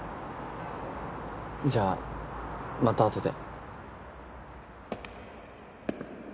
じゃあまた後で。